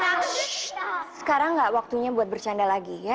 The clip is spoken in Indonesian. shh sekarang nggak waktunya buat bercanda lagi ya